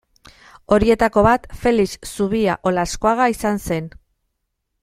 Horietako bat Felix Zubia Olaskoaga izan zen.